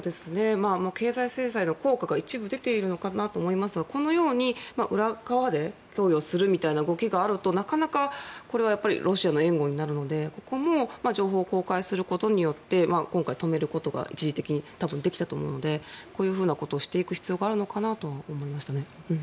経済制裁の効果が一部出ているのかなと思いますがこのように裏側で供与するみたいな動きがあるとこれはなかなかロシアの援護になるのでここも情報を公開することによって今回止めることが一時的に多分できたと思うのでこういうことをしていく必要があるのかなと思いましたね。